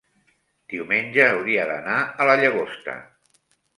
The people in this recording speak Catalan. diumenge hauria d'anar a la Llagosta.